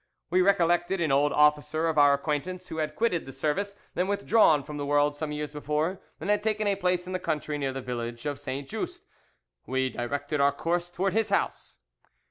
"We recollected an old officer of our acquaintance who had quitted the service and withdrawn from the world some years before, and had taken a place in the country near the village of Saint Just; we directed our course towards his house.